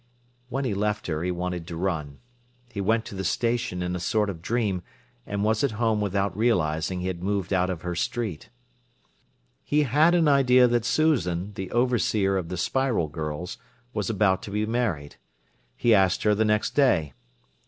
When he left her, he wanted to run. He went to the station in a sort of dream, and was at home without realising he had moved out of her street. He had an idea that Susan, the overseer of the Spiral girls, was about to be married. He asked her the next day.